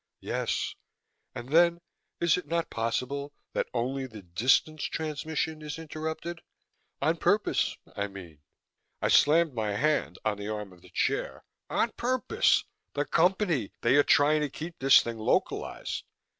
"Yes. And then, is it not possible that only the distance transmission is interrupted? On purpose, I mean?" I slammed my hand on the arm of the chair. "On purpose! The Company they are trying to keep this thing localized.